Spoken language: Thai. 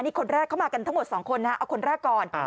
นี่คนแรกเข้ามากันทั้งหมด๒คนนะเอาคนแรกก่อน